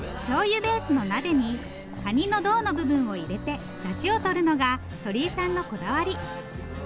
しょうゆベースの鍋にカニの胴の部分を入れて出汁をとるのが鳥井さんのこだわり。